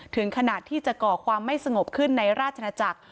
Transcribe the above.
ถึงขนาดที่จะก่อความไม่สงบขึ้นในราชนาจักร